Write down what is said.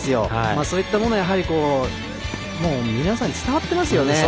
そういったものを皆さん伝わってますよね。